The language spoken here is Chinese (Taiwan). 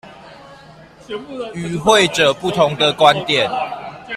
與會者不同的觀點